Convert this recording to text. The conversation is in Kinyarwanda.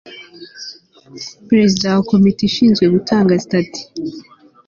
perezida wa komite ishinzwe gutanga sitati